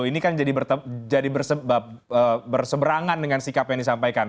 ini kan jadi bersebab berseberangan dengan sikap yang disampaikan